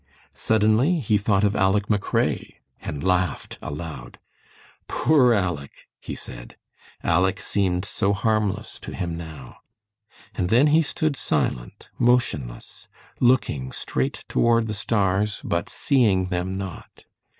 Suddenly he thought of Aleck McRae, and laughed aloud. "Poor Aleck," he said. Aleck seemed so harmless to him now. And then he stood silent, motionless, looking straight toward the stars, but seeing them not.